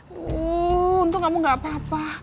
untung kamu gak apa apa